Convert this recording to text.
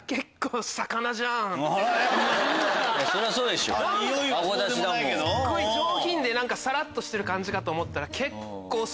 すっごい上品でさらっとしてる感じかと思ったら。